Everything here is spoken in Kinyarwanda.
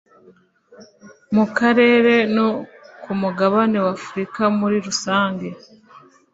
mu Karere no ku mugabane w’Afurika muri rusange